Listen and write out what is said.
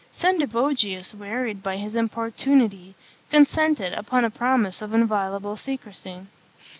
Sendivogius, wearied by his importunity, consented, upon a promise of inviolable secrecy.